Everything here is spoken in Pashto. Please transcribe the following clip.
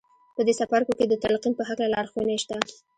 په دې څپرکو کې د تلقین په هکله لارښوونې شته